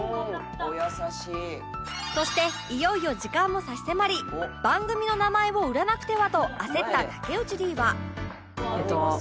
「お優しい」そしていよいよ時間もさし迫り番組の名前を売らなくてはと焦った武内 Ｄ は